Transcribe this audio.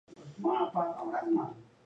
اوښ د افغانستان د اقتصاد برخه ده.